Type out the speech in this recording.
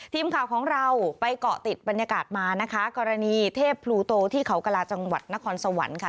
ทีมข่าวของเราไปเกาะติดบรรยากาศมานะคะกรณีเทพพลูโตที่เขากระลาจังหวัดนครสวรรค์ค่ะ